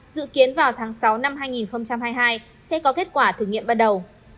dự kiến vào tháng sáu năm hai nghìn hai mươi hai sẽ có kết quả thử nghiệm ban đầu